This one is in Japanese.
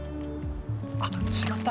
あっ違った？